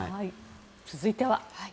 続いては。